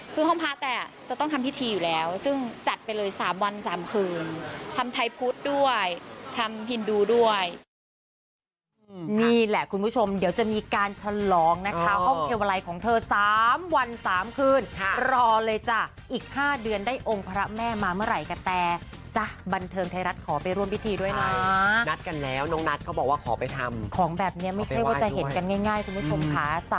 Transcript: คือห้องพระแต่จะต้องทำพิธีอยู่แล้วซึ่งจัดไปเลย๓วัน๓คืนทำไทยพุทธด้วยทำฮินดูด้วย